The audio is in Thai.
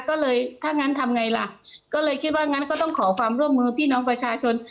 ก็เลยถ้างั้นทำไงล่ะก็เลยคิดว่างั้นก็ต้องขอความร่วมมือพี่น้องประชาชน